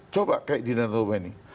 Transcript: coba kayak di daratoba ini